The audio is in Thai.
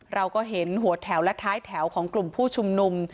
เราก็เห็นหัวแถวและท้ายแถวของกลุ่มผู้ชุมนุม